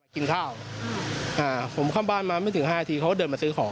กินข้าวผมเข้าบ้านมาไม่ถึง๕นาทีเขาก็เดินมาซื้อของ